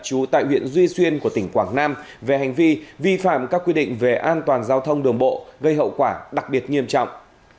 trú tại huyện duy xuyên của tỉnh quảng nam về hành vi vi phạm các quy định về an toàn giao thông đường bộ gây hậu quả đặc biệt nghiêm trọng